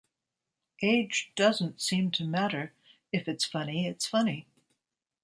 Age doesn't seem to matter - if it's funny, it's funny.